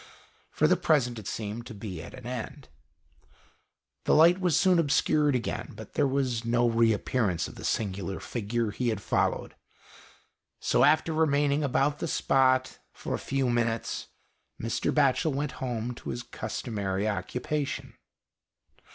For the present, it seemed to be at an end. The light was soon obscured again, but there was no re appearance of the singular figure he had followed, so after remaining about the spot for 71 &HOST TALES. a few minutes, Mr. Batchel went home to his customary occupation.